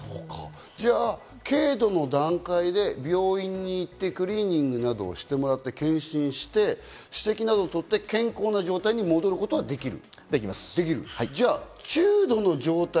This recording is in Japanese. じゃあ、軽度の段階で病院に行って、クリーニングなどをしてもらって、歯石などを取って、健康な状態に戻ることはできる？